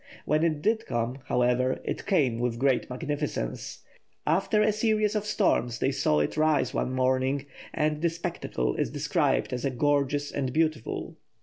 When it did come, however, it came with great magnificence. After a series of storms they saw it rise one morning, and the spectacle is described as gorgeous and beautiful.